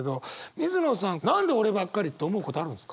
水野さん何で俺ばっかりって思うことあるんですか？